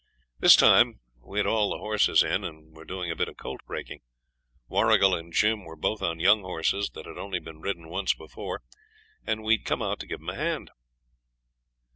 This time we'd had all the horses in and were doing a bit of colt breaking. Warrigal and Jim were both on young horses that had only been ridden once before, and we had come out to give them a hand.